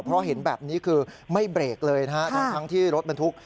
เพราะเห็นแบบนี้คือไม่เบรกเลยนะฮะทั้งที่รถบรรทุก